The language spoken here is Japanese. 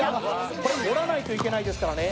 これ、折らないといけないですからね。